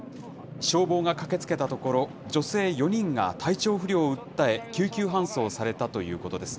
消防が駆けつけたところ、女性４人が体調不良を訴え、救急搬送されたということです。